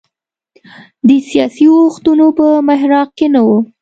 د سیاسي اوښتونونو په محراق کې نه و.